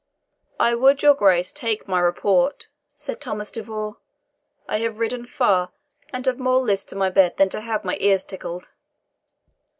"I would your Grace would take my report," said Thomas de Vaux. "I have ridden far, and have more list to my bed than to have my ears tickled."